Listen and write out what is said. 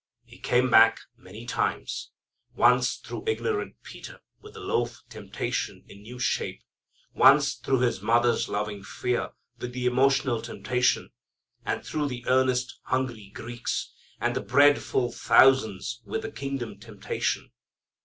He came back many times. Once through ignorant Peter with the loaf temptation in new shape, once through His mother's loving fears with the emotional temptation, and through the earnest, hungry Greeks, and the bread full thousands with the kingdom temptation.